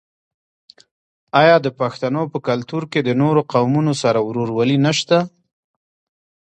آیا د پښتنو په کلتور کې د نورو قومونو سره ورورولي نشته؟